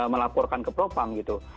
melaporkan ke propang gitu